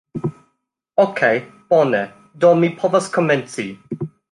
Okej' bone, do mi povas komenci